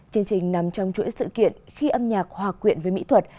chương trình nằm trong chuỗi sự kiện khi âm nhạc hòa quyện với mỹ thuật